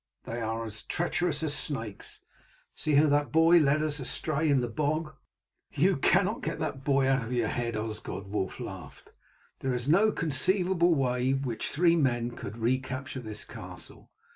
"They are as treacherous as snakes. See how that boy led us astray in the bog." "You cannot get that boy out of your head, Osgod," Wulf laughed. "There is no conceivable way by which three men could recapture this castle.